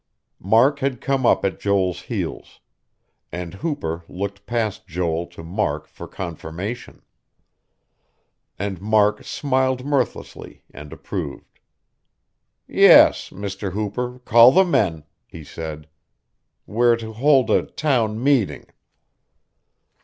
Mark had come up at Joel's heels; and Hooper looked past Joel to Mark for confirmation. And Mark smiled mirthlessly, and approved. "Yes, Mr. Hooper, call the men," he said. "We're to hold a town meeting."